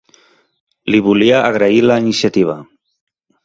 Li volia agrair la iniciativa.